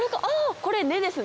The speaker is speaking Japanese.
これ根ですね？